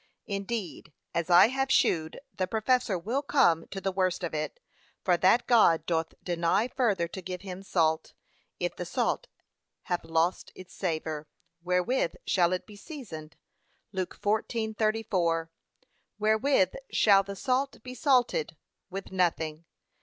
Indeed, as I have shewed, the professor will come to the worst of it; for that God doth deny further to give him salt. 'If the salt have lost his savour, wherewith shall it be seasoned?' (Luke 14:34) Wherewith shall the salt be salted? with nothing.